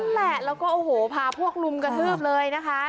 นั่นแหละแล้วก็โอ้โหพาพวกลุมกระทืบเลยนะคะ